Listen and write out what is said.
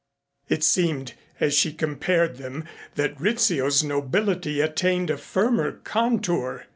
It seemed as she compared them that Rizzio's nobility attained a firmer contour.